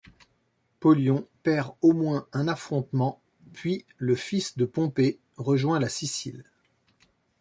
Pollion perd au moins un affrontement puis le fils de Pompée rejoint la Sicile.